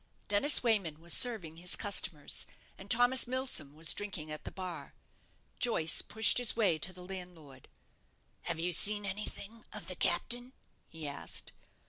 Dennis Wayman was serving his customers, and Thomas Milsom was drinking at the bar. Joyce pushed his way to the landlord. "Have you seen anything of the captain?" he asked.